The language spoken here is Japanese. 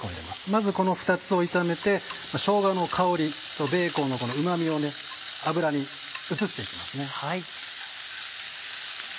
まずこの２つを炒めてしょうがの香りとベーコンのうま味を油に移して行きますね。